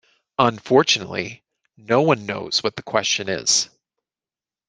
Unfortunately, no one knows what the question is.